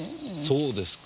そうですか。